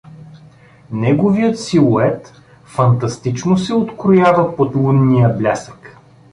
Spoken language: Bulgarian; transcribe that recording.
Неговият силует фантастично се откроява под лунния блясък.